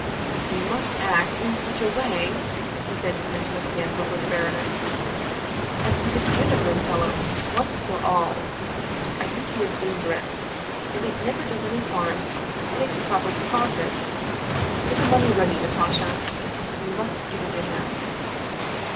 " We must act in such a way," he said, coming to a stand before the baroness, " as to get rid of this fellow once for all. I think he is dangerous, and it never does any harm to take proper precautions. Get the money ready, Na tasha; we must give it to him."